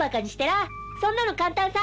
そんなの簡単さ。